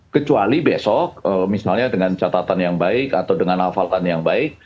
kecuali besok misalnya dengan catatan yang baik atau dengan alfaltan yang baik